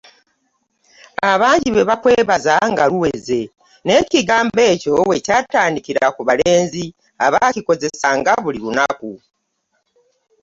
Abangi bwe bakwebaza nga luweze; n’ekigambo ekyo we kyatandikira ku balenzi abakikozesanga buli lunaku.